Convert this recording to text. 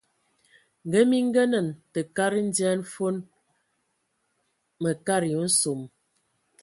Ngə mi ngənan tə kad ndian fon, mə katəya nsom.